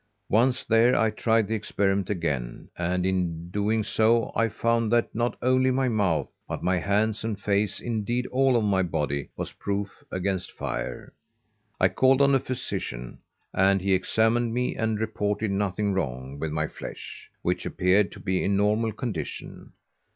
Once there I tried the experiment again, and in doing so I found that not only my mouth, but my hands and face, indeed, all of my body, was proof against fire. I called on a physician, and he examined me, and reported nothing wrong with my flesh, which appeared to be in normal condition.